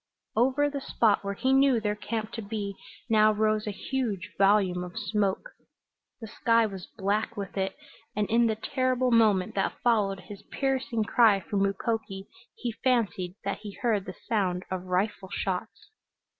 Over the spot where he knew their camp to be now rose a huge volume of smoke. The sky was black with it, and in the terrible moment that followed his piercing cry for Mukoki he fancied that he heard the sound of rifle shots.